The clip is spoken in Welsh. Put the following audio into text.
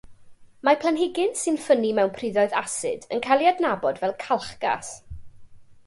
Mae planhigyn sy'n ffynnu mewn priddoedd asid yn cael ei adnabod fel calchgas.